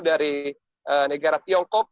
dari negara tiongkok